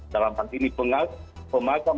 dalam arti pemagang